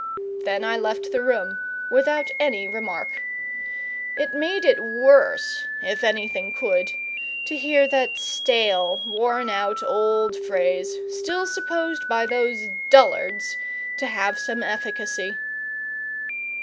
Then I left the room without any remark. It made it worse if anything could to hear that stale, worn out old phrase, still supposed by those dullards to have some efficacy.